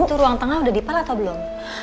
itu ruang tengah udah dipal atau belum